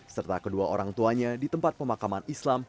serta kedua orang tuanya di tempat pemakaman islam